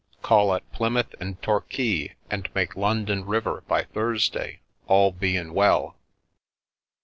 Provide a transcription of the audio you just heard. Call at Plymouth and Torquay, and make London river by Thursday, all bein' well."